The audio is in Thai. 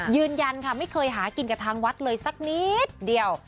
ยืนยันค่ะไม่เคยหากินกับทางวัดเลยสักนิดเดียว